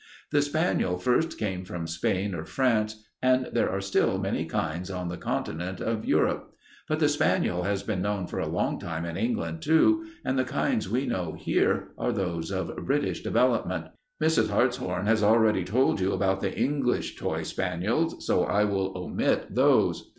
"The spaniel first came from Spain or France and there are still many kinds on the continent of Europe. But the spaniel has been known for a long time in England, too, and the kinds we know here are those of British development. Mrs. Hartshorn has already told you about the English toy spaniels, so I will omit those.